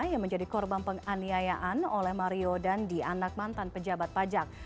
yang menjadi korban penganiayaan oleh mario dandi anak mantan pejabat pajak